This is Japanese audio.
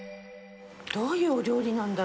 どういうお料理なんだろう。